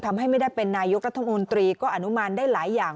ไม่ได้เป็นนายกรัฐมนตรีก็อนุมานได้หลายอย่าง